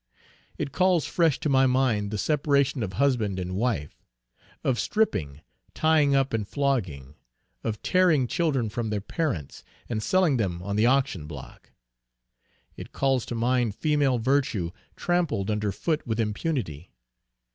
It calls fresh to my mind the separation of husband and wife; of stripping, tying up and flogging; of tearing children from their parents, and selling them on the auction block. It calls to mind female virtue trampled under foot with impunity.